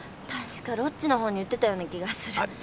確かロッジの方に売ってたような気がする。